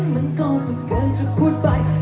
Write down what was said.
มันก็เกินจะพูดไป